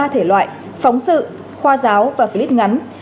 ba thể loại phóng sự khoa giáo và clip ngắn